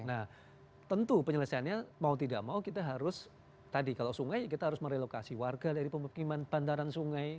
nah tentu penyelesaiannya mau tidak mau kita harus tadi kalau sungai kita harus merelokasi warga dari pemukiman bantaran sungai